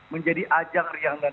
menjadi ajang riang dan